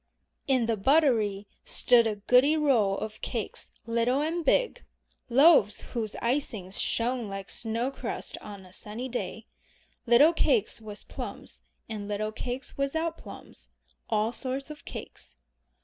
In the buttery stood a goodly row of cakes little and big, loaves whose icings shone like snow crust on a sunny day, little cakes with plums and little cakes without plums; all sorts of cakes.